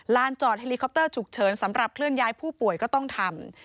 จอดเฮลิคอปเตอร์ฉุกเฉินสำหรับเคลื่อนย้ายผู้ป่วยก็ต้องทำ